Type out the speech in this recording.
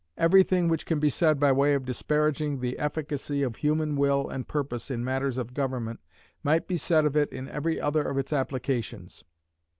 Every thing which can be said by way of disparaging the efficacy of human will and purpose in matters of government might be said of it in every other of its applications.